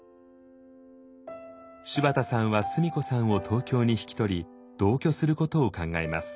柴田さんは須美子さんを東京に引き取り同居することを考えます。